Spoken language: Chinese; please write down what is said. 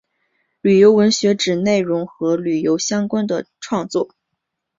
旅游文学指内容与旅游相关的创作。